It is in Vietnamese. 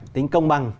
tính công bằng